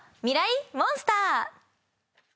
ミライ☆モンスター。